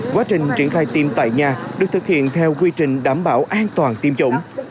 quá trình triển khai tiêm tại nhà được thực hiện theo quy trình đảm bảo an toàn tiêm chủng